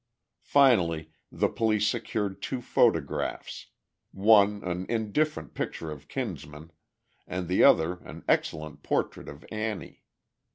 Finally, the police secured two photographs, one an indifferent picture of Kinsman, and the other an excellent portrait of Annie.